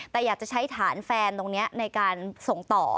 แต่อยากจะใช้ฐานแฟนตรงนี้ในการส่งต่อ